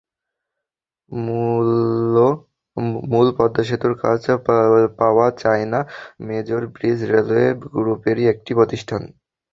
মূল পদ্মা সেতুর কাজ পাওয়া চায়না মেজর ব্রিজ রেলওয়ে গ্রুপেরই একটি প্রতিষ্ঠান।